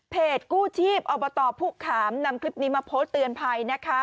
กู้ชีพอบตผู้ขามนำคลิปนี้มาโพสต์เตือนภัยนะคะ